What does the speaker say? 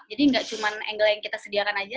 jadi nggak cuma angle yang kita sediakan aja